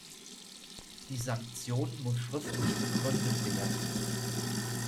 Die Sanktion muss schriftlich begründet werden.